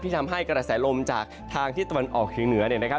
ทำให้กระแสลมจากทางที่ตะวันออกเฉียงเหนือเนี่ยนะครับ